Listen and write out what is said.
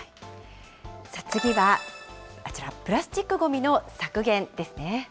次は、あちら、プラスチックごみの削減ですね。